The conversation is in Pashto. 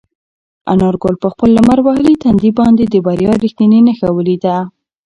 انارګل په خپل لمر وهلي تندي باندې د بریا رښتینې نښه ولیده.